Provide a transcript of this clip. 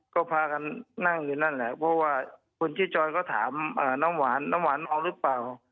ก็พากันนั่งอยู่นั่นแหละเพราะว่าคนที่จอยก็ถามน้ำหวานน้ำหวานเอาหรือเปล่า